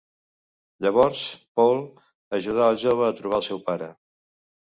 Llavors Paul ajudarà el jove a trobar el seu pare.